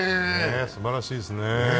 すばらしいですね。